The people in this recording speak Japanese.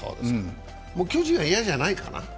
もう巨人は嫌じゃないかな。